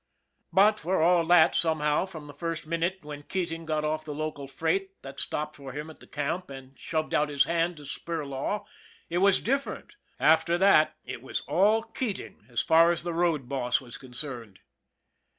But for all that, somehow, from the first minute when Keating got off the local freight, that stopped for him at the camp, and shoved out his hand to Spir law it was different after that it was all Keating as far as the road boss was concerned.